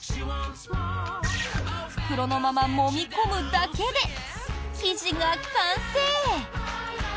袋のまま、もみ込むだけで生地が完成。